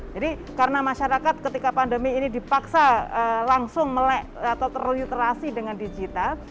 jadi karena masyarakat ketika pandemi ini dipaksa langsung melek atau terliuterasi dengan digital